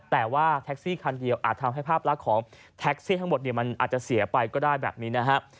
แต่ว่าแท็กซี่คันเดียวอาจทำให้ภาพลักษณ์ของแท็กซี่ทั้งหมดเนี่ยมันอาจจะเสียไปก็ได้แบบนี้นะฮะ